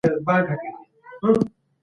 د هر چا سره چي هر شي وي رادي ئې وړي.